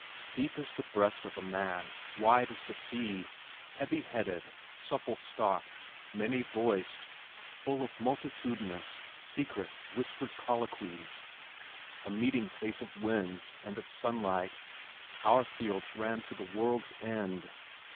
Deep as the breast of a man, wide as the sea, heavy headed, supple stocked, many voiced, full of multitudinous, secret, whispered colloquies, a meeting place of winds and of sunlight, our fields ran to the world's end.